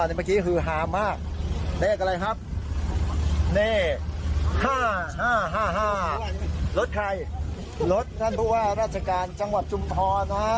เนี่ยเมื่อกี้คือหามมากเลขอะไรครับเน่ห้าห้าห้าห้ารถใครรถท่านผู้ว่าราชการจังหวัดจุมธรณ์นะฮะ